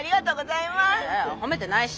いや褒めてないし。